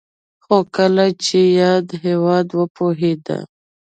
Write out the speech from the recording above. خو کله چې یاد هېواد وپوهېده